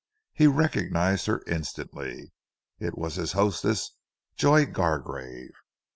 He recognized her instantly. It was his hostess, Joy Gargrave.